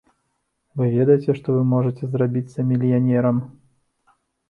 Вы ведаеце, што вы можаце зрабіцца мільянерам?